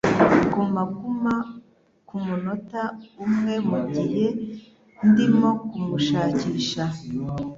Guma guma kumunota umwe mugihe ndimo kumushakisha.